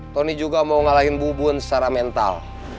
tony juga mau ngalahin bubun secara mental